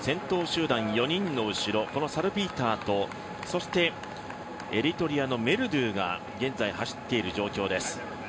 先頭集団４人の後ろ、サルピーターとそして、エリトリアのメルドゥが現在走っている状況です